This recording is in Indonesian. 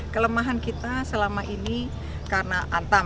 kelemahan kita selama ini karena antam